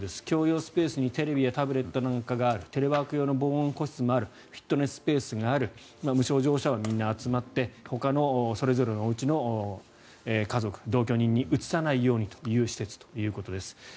共用スペースにテレビやタブレットなんかがあるテレワーク用の防音個室もあるフィットネススペースがある無症状者はみんな集まってほかのそれぞれのおうちの家族同居人にうつさないようにという施設だということです。